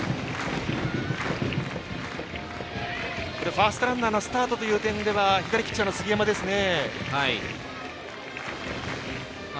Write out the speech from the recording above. ファーストランナーがスタートという点では左ピッチャーの杉山ですが。